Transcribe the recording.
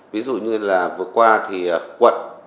ví dụ như là vừa qua thì quận